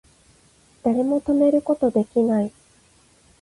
誰も止めること出来ない